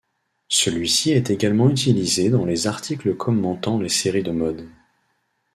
Celui-ci est également utilisé dans les articles commentant les séries de mode.